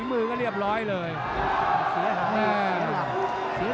โอ้โหโอ้โหโอ้โหโอ้โห